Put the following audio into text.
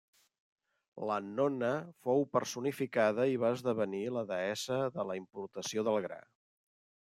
L'annona fou personificada i va esdevenir la deessa de la importació del gra.